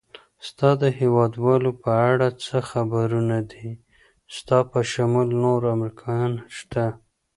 ستا د هېوادوالو په اړه څه خبرونه دي؟ ستا په شمول نور امریکایان شته؟